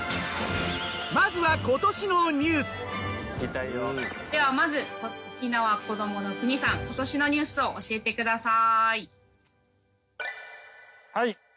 まずはではまず沖縄こどもの国さん今年のニュースを教えてください。